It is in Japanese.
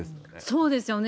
そうですよね。